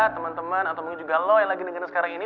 temen temen atau mungkin juga lo yang lagi dengerin sekarang ini